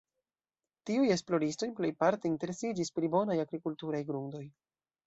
Tiuj esploristoj plejparte interesiĝis pri bonaj agrikulturaj grundoj.